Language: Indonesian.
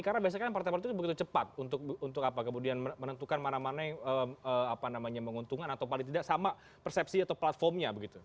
karena biasanya kan partai demokrat itu begitu cepat untuk apa kemudian menentukan mana mana yang menguntungkan atau paling tidak sama persepsi atau platformnya begitu